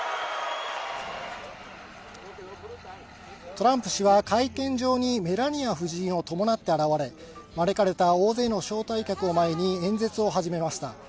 トランプ氏は会見場にメラニア夫人を伴って現れ、招かれた大勢の招待客を前に演説を始めました。